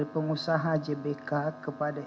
pengusaha jbk kepada